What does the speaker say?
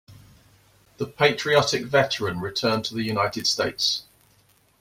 The patriotic veteran returned to the United States.